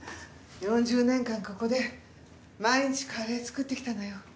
４０年間ここで毎日カレー作ってきたのよ。